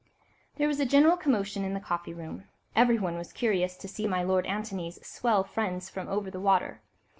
There was general commotion in the coffee room. Everyone was curious to see my Lord Antony's swell friends from over the water.